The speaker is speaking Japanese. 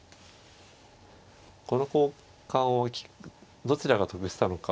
この交換はどちらが得したのか。